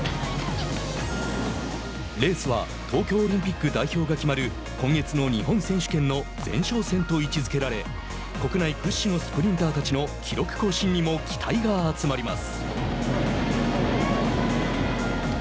レースは東京オリンピック代表が決まる今月の日本選手権の前哨戦と位置づけられ国内屈指のスプリンターたちの記録更新にも期待が集まります。